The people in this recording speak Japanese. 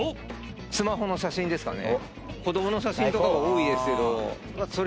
スマホの写真ですかね。